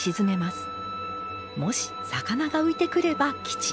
もし魚が浮いてくれば吉。